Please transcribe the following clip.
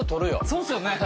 そうっすよね。